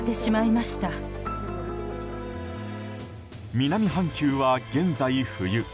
南半球は現在、冬。